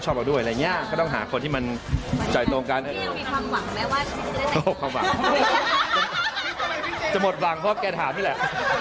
หมดหวังเพราะแกถามนี่แหละ